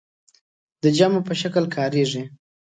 د جمع په شکل کاریږي.